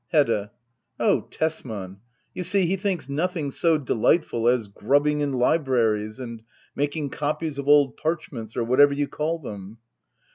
Hedda. Oh, Tesman! You see, he thinks nothing so delightful as grubbing in libraries and making copies of old parchments, 6r whatever you call them.